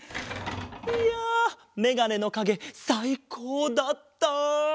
いやメガネのかげさいこうだった！